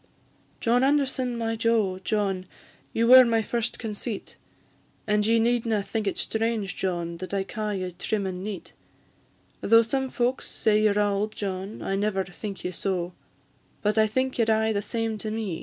John Anderson, my jo, John, Ye were my first conceit; And ye needna think it strange, John, That I ca' ye trim and neat; Though some folks say ye 're auld, John, I never think ye so; But I think ye 're aye the same to me, John Anderson, my jo.